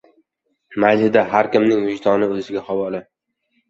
Mayli-da, har kimning vijdoni o‘ziga havola.